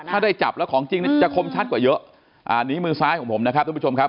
ถ้าได้จับแล้วของจริงจะคมชัดกว่าเยอะอันนี้มือซ้ายของผมนะครับทุกผู้ชมครับ